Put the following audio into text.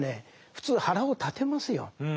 普通腹を立てますよ。